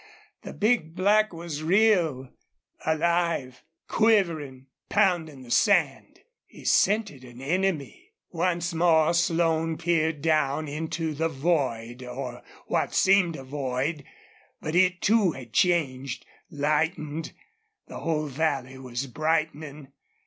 The big black was real, alive, quivering, pounding the sand. He scented an enemy. Once more Slone peered down into the void or what seemed a void. But it, too, had changed, lightened. The whole valley was brightening.